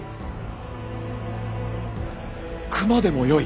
熊でもよい？